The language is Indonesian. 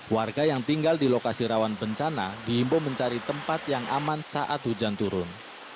warga yang tinggal di lokasi rawan bencana diimbau mencari tempat yang aman saat hujan turun